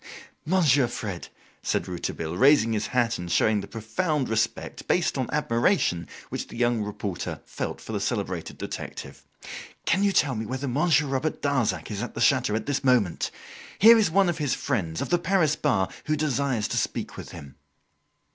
"Monsieur Fred," said Rouletabille, raising his hat and showing the profound respect, based on admiration, which the young reporter felt for the celebrated detective, "can you tell me whether Monsieur Robert Darzac is at the chateau at this moment? Here is one of his friends, of the Paris Bar, who desires to speak with him."